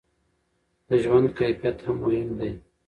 د ژوند کیفیت هم مهم دی.